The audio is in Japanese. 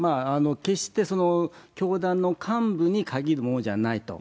決して教団の幹部に限るもんじゃないと。